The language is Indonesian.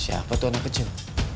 siapa tuh anak kecil